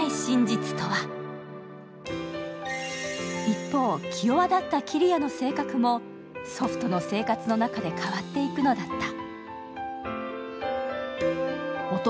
一方、気弱だった桐矢の性格も祖父との生活の中で変わっていくのだった。